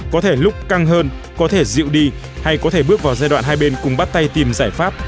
có thể lúc căng hơn có thể dịu đi hay có thể bước vào giai đoạn hai bên cùng bắt tay tìm giải pháp